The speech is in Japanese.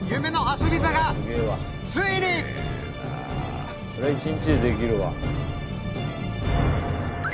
そりゃ１日でできるわ。